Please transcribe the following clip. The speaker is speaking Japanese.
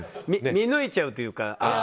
見抜いちゃうっていうか。